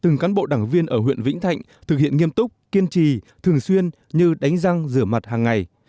từng cán bộ đảng viên ở huyện vĩnh thạnh thực hiện nghiêm túc kiên trì thường xuyên như đánh răng rửa mặt hàng ngày